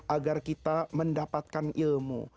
agar kita mendapatkan ilmu